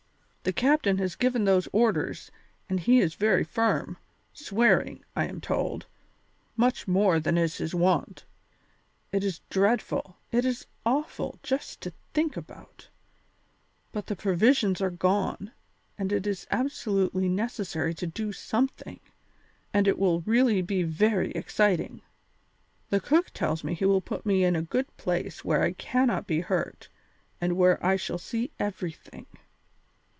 The captain has given those orders, and he is very firm, swearing, I am told, much more than is his wont. It is dreadful, it is awful just to think about, but the provisions are gone, and it is absolutely necessary to do something, and it will really be very exciting. The cook tells me he will put me in a good place where I cannot be hurt and where I shall see everything.